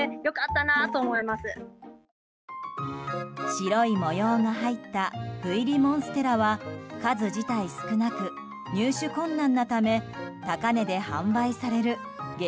白い模様が入った斑入りモンステラは数自体少なく、入手困難なため高値で販売される激